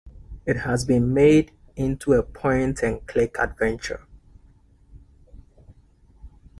It has been made into a point-and-click adventure.